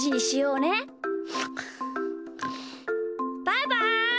バイバイ！